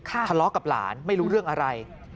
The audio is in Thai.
ทะเลาะกับหลานไม่รู้เรื่องอะไร